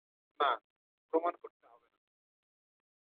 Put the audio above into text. না, প্রমাণ করতে হবে না।